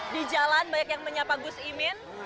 di jalan banyak yang menyapa gus imin